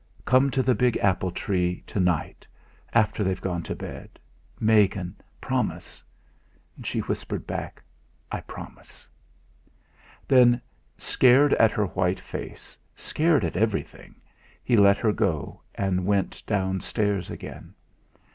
"Come to the big apple tree to night, after they've gone to bed. Megan promise!" She whispered back: "I promise." Then, scared at her white face, scared at everything, he let her go, and went downstairs again.